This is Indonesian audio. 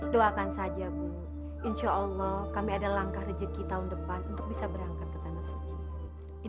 doakan saja bu hasan